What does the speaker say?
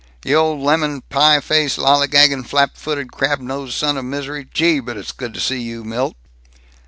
"You old lemon pie faced, lollygagging, flap footed, crab nosed son of misery, gee, but it's good to see you, Milt!"